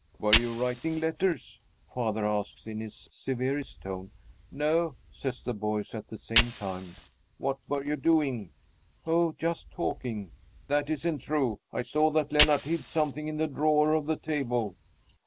"Were you writing letters?" father asks in his severest tone. "No," say both boys at the same time. "What were you doing?" "Oh, just talking." "That isn't true. I saw that Lennart hid something in the drawer of the table."